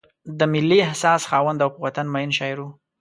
د ملي احساس خاوند او په وطن مین شاعر و.